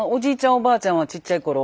おばあちゃんはちっちゃいころ